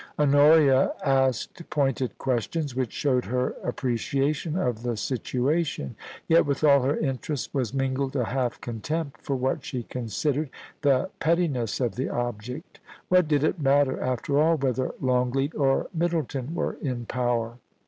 Honoria asked pointed questions which showed her ap preciation of the situation; yet with all her interest was mingled a half contempt for what she considered the petti ness of the object What did it matter, after all, whether Longleat or Middleton were in power